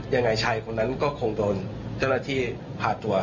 ยังไงชายคนนั้นก็คงโดนเจ้าหน้าที่พาตัว